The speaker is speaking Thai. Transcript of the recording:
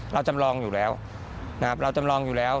เราจำลองอยู่แล้วนะครับเราจำลองอยู่แล้ว